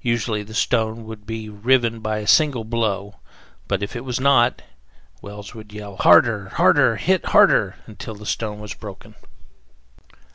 Usually the stone would be riven by a single blow; but if it was not, Wells would yell, "Harder! harder! hit harder!" until the stone was broken.